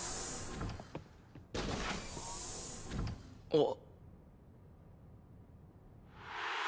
あっ。